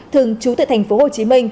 thường trú tại tp hcm